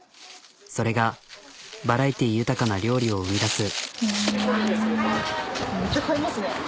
それがバラエティー豊かな料理を生み出す。